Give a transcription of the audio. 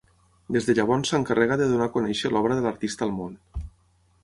Des de llavors s'encarrega de donar a conèixer l'obra de l'artista al món.